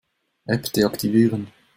App deaktivieren.